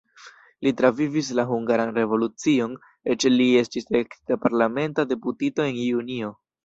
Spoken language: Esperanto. Li travivis la Hungaran revolucion, eĉ li estis elektita parlamenta deputito en junio.